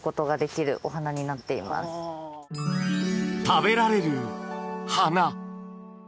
食べられる花。